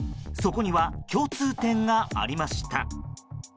そこには、共通点がありました。